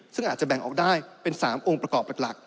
ซึ่งอาจจะแบ่งออกได้เป็น๓องค์ประกอบหลัก